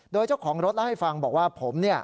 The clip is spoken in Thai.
โดยเจ้าของรถล่าให้ฟังบอกว่าผม